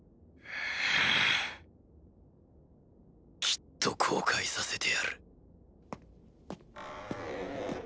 きっと後悔させてやる。